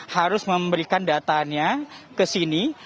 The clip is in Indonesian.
harus memberikan datanya ke sini